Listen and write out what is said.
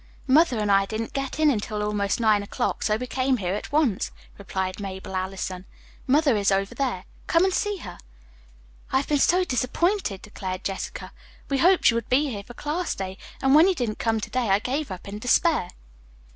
"Mother and I didn't get in until almost nine o'clock, so we came here at once," replied Mabel Allison. "Mother is over there. Come and see her." "I have been so disappointed," declared Jessica. "We hoped you would be here for class day, and when you didn't come to day I gave up in despair."